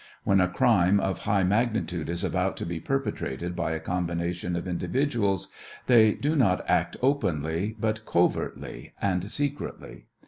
When a crime of high mag nitude is about to be perpetrated by a combination of individuals, they do not act openly, but covertly and secretly.